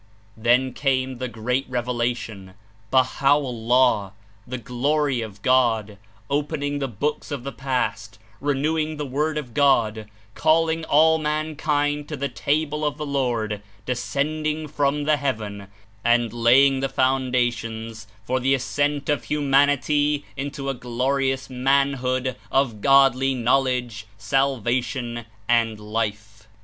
Then came the Great Revelation, Baha'o'llah, the Glory of God, opening the books of the past, renewing the Word of God, calling all mankind to the table of the Lord descending from the heaven, and laying the foundations for the ascent of humanity Into a glorious manhood of Godly knowledge, salvation and life.